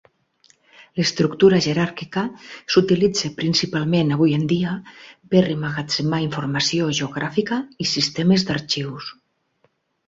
L'estructura jeràrquica s'utilitza principalment avui en dia per emmagatzemar informació geogràfica i sistemes d'arxius.